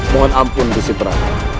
mohon ampun gusipra